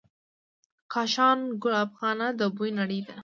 د کاشان ګلابخانه د بوی نړۍ ده.